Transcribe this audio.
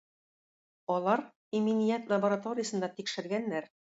Алар "Иминият" лабораториясендә тикшергәннәр.